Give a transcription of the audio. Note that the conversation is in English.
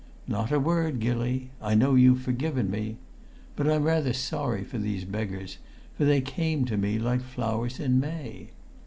Not a word, Gilly! I know you've forgiven me. But I'm rather sorry for these beggars, for they came to me like flowers in May."